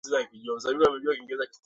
Kulipwa na klabu ya Italia hiyo Juventus